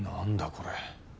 これ。